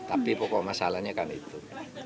tapi pokok masalahnya kan itu